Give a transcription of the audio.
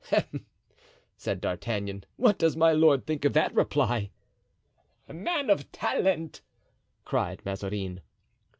"Hem!" said D'Artagnan, "what does my lord think of that reply?" "Man of talent!" cried Mazarin.